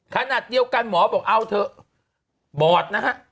ขนาดเดียวกันหมอบอกเอาเถอะบอดนะฮะ